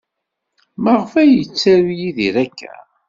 Maɣef ay yettaru Yidir akka?